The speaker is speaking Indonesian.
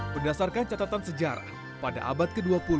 berdasarkan catatan sejarah pada abad ke dua puluh